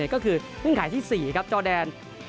ก็คือเงื่อนไขที่๔ครับจอแดน